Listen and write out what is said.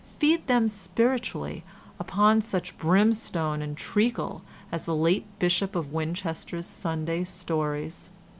Feed them spiritually upon such brimstone and treacle as the late Bishop of Winchester's Sunday stories.